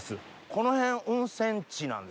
この辺温泉地なんですか？